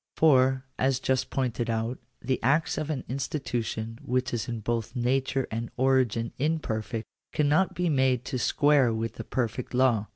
For, as just pointed out, the acts of an institution which is in both nature and origin imperfect, cannot be made to square with the per fect law.